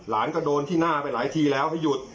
หลานก็โดนที่หน้าไปหลายทีแล้วให้หยุด